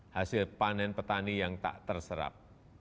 hasil panen petani yang tak terserap